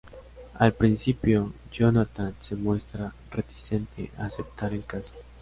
Al principio Jonathan se muestra reticente a aceptar el caso.